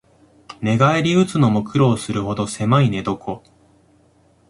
寝返りうつのも苦労するほどせまい寝床